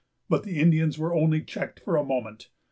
But the Indians were only checked for a moment.